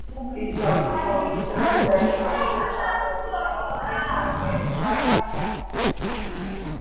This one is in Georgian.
ვიზუალური ხელოვნებისა და მდიდარი და ხანგრძლივი ჩანაწერების გამო ჯგუფს რომელიმე ერთ ჟანრს არ მიაკუთვნებენ.